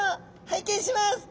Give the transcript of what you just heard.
拝見します！